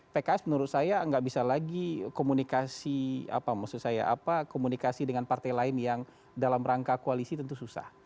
pks menurut saya nggak bisa lagi komunikasi apa maksud saya apa komunikasi dengan partai lain yang dalam rangka koalisi tentu susah